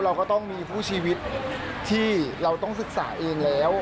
เราก็ต้องมีคู่ชีวิตที่เราต้องศึกษาเองแล้ว